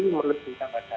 menuju ke lantai tiga